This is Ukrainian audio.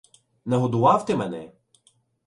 - Нагодував ти мене?